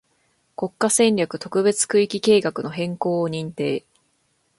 国家戦略特別区域計画の変更を認定